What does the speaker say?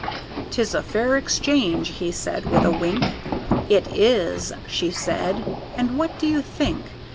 "'Tis a fair exchange," he said, with a wink "It is!" she said, and what do you think?